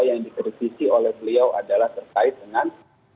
yang dikritisi oleh beliau adalah terkait dengan